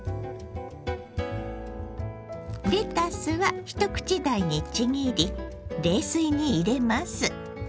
レタスは一口大にちぎり冷水に入れます。